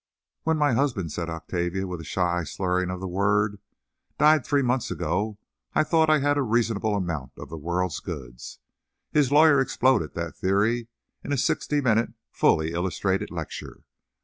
"When my husband," said Octavia, with a shy slurring of the word, "died three months ago I thought I had a reasonable amount of the world's goods. His lawyer exploded that theory in a sixty minute fully illustrated lecture.